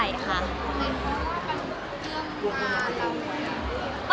อ๋อหรือว่ามันเรื่องลนนู้นไหม